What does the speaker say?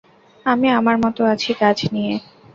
আমি আমার মতো আছি, কাজ নিয়ে।